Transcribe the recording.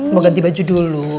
mau ganti baju dulu